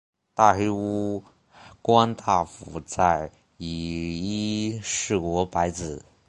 大黑屋光太夫在以伊势国白子。